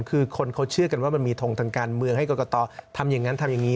คือคนเขาเชื่อกันว่ามันมีทงทางการเมืองให้กรกตทำอย่างนั้นทำอย่างนี้